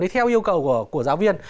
đấy theo yêu cầu của giáo viên